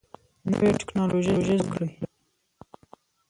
نوي ټکنالوژي زده کړئ